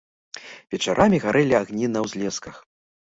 Вечарамі гарэлі агні на ўзлесках.